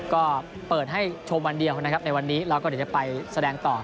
ก็เปิดให้โชมวันเดียวในวันนี้เราก็เดี๋ยวจะไปแสดงต่อ